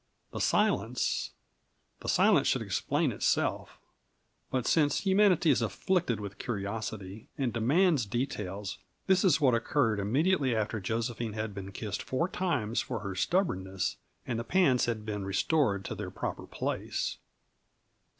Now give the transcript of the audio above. The silence the silence should explain itself; but since humanity is afflicted with curiosity, and demands details, this is what occurred immediately after Josephine had been kissed four times for her stubbornness, and the pans had been restored to their proper place.